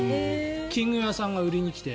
金魚屋さんが売りに来て。